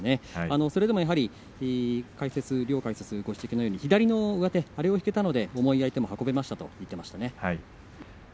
それでも両解説者のご指摘のように左で上手を引けたので重い相手を運べたと語っていました。